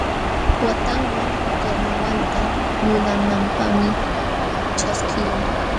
Watanman karnawalta lulananpaqmi ćhaskiqlun.